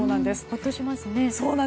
ほっとしますね。